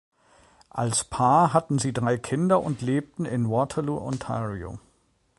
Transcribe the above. Als Paar hatten sie drei Kinder und lebten in Waterloo, Ontario.